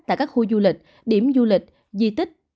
tại các khu du lịch điểm du lịch di tích